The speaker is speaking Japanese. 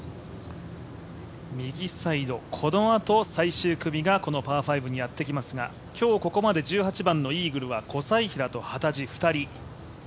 右サイド、この後最終組がこのパー５にやって来ますが、今日ここまで１８番のイーグルは小斉平と幡地。